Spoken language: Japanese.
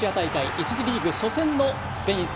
１次リーグ初戦のスペイン戦。